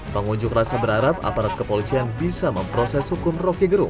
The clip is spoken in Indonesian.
pengunjuk rasa berharap aparat kepolisian bisa memproses hukum roky gerung